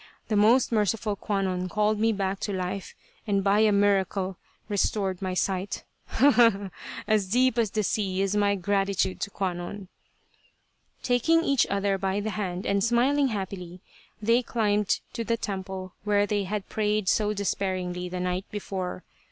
The most merciful Kwannon called me back to life and by a miracle restored my sight. Ha, ha, ha ! As deep as the sea is my gratitude to Kwannon." Taking each other by the hand and smiling happily, they climbed to the temple where they had prayed so despairingly the night before.